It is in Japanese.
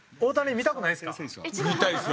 見たいです。